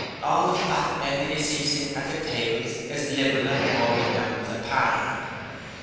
All the fat men that you see sittin' at the tables is Liberal and Tory Members of Parlimint.